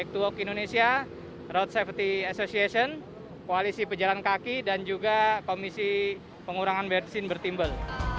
road safety association koalisi pejalan kaki dan juga komisi pengurangan bersin bertimbel